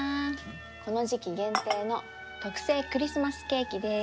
この時期限定の特製クリスマスケーキです。